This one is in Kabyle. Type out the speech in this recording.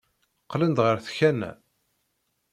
Qqlen-d ɣer tkanna.